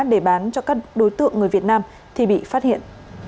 để bán cho các đối tượng người việt nam thì bị phát hiện